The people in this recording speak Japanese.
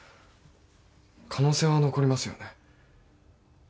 可能性は残りますよね？